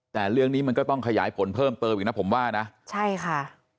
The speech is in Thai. แต่เรื่องนี้มันก็ต้องขยายผลเพิ่มเติมอีกนะผมว่านะใช่ค่ะ